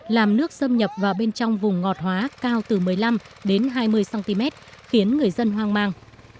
làm nước xâm nhập vào bên trong vùng ngọt hóa cao từ một mươi năm đến hai mươi cm khiến người dân hoang mang